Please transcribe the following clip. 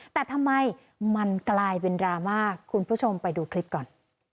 แต่ทำไมมันกลายเป็นดราม่าคุณผู้ชมไปดูคลิปก่อน